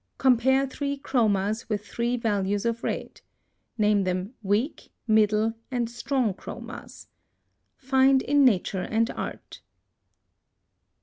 Compare three chromas with three values of red. Name them WEAK, MIDDLE, and STRONG chromas. Find in nature and art.